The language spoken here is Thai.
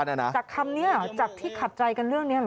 จากคำนี้จากที่ขัดใจกันเรื่องนี้